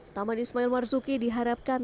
taman ismail marzuki diharapkan